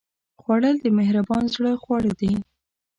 خوړل د مهربان زړه خواړه دي